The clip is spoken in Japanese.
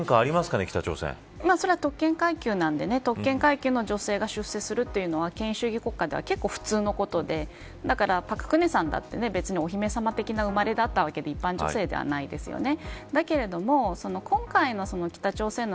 それは特権階級なんで特権階級の女性が出世することは権威主義国家では結構、普通のことでだから朴槿恵さんだってお姫様な生まれだったわけで一般女性ではないですよね。